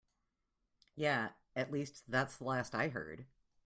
Yeah, at least that's the last I heard.